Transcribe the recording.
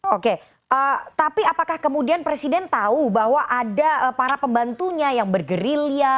oke tapi apakah kemudian presiden tahu bahwa ada para pembantunya yang bergerilya